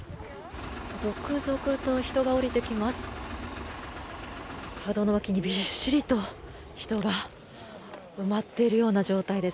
続々と人が降りてきます。